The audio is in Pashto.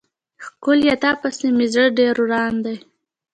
ښکليه تا پسې مې زړه ډير وران دی.